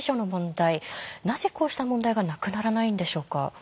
なぜこうした問題がなくならないんでしょうか？